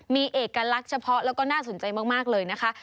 มีเอกลักษณ์เฉพาะแล้วก็น่าสนใจมากเลยนะคะ